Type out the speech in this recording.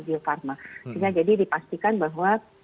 geofarma jadi dipastikan bahwa